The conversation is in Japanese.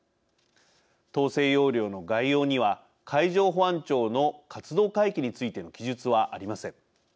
統制要領の概要には海上保安庁の活動海域についての記述はありません。